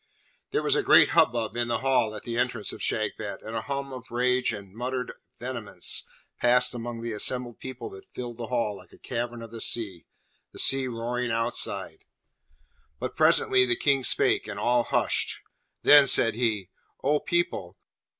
There was great hubbub in the Hall at the entrance of Shagpat, and a hum of rage and muttered vehemence passed among the assembled people that filled the hall like a cavern of the sea, the sea roaring outside; but presently the King spake, and all hushed. Then said he, 'O people!